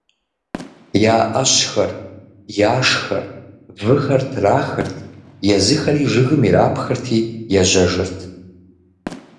Я ӏэщэхэр, яшхэр, выхэр трахырт, езыхэри жыгым ирапхырти ежьэжырт.